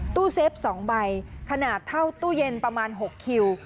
ตู้เซฟ๒ใบขนาดเท่าตู้เย็นประมาณ๖คิว